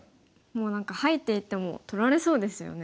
もう何か入っていっても取られそうですよね。